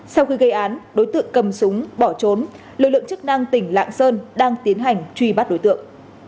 sau khi gây án đối tượng cầm súng bỏ trốn lực lượng chức năng tỉnh lạng sơn đang tiến hành truy bắt đối tượng